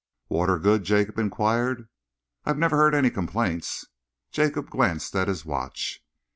"Water good?" Jacob enquired. "I've never heard any complaints." Jacob glanced at his watch.